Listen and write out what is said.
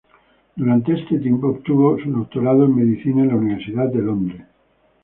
Durante este tiempo, obtuvo su doctorado en medicina en la Universidad de Londres.